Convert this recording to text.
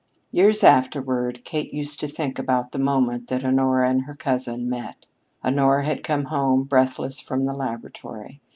Years afterward, Kate used to think about the moment when Honora and her cousin met. Honora had come home, breathless from the laboratory.